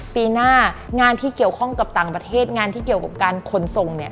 ปีหน้างานที่เกี่ยวข้องกับต่างประเทศงานที่เกี่ยวกับการขนส่งเนี่ย